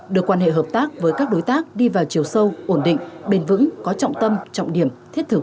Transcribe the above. đưa quan hệ hợp tác với các đối tác đi vào chiều sâu ổn định bền vững có trọng tâm trọng điểm thiết thực